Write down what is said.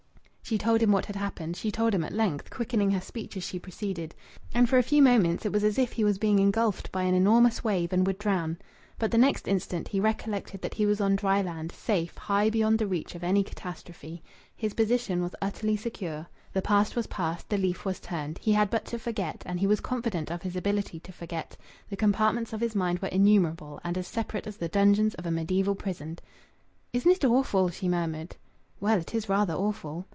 She told him what had happened; she told him at length, quickening her speech as she proceeded. And for a few moments it was as if he was being engulfed by an enormous wave, and would drown. But the next instant he recollected that he was on dry land, safe, high beyond the reach of any catastrophe. His position was utterly secure. The past was past; the leaf was turned. He had but to forget, and he was confident of his ability to forget. The compartments of his mind were innumerable, and as separate as the dungeons of a mediaeval prison. "Isn't it awful?" she murmured. "Well, it is rather awful!"